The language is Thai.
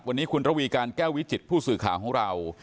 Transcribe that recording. วันนี้คุณระวีการแก้ววิจิตผู้สื่อข่าวของเรา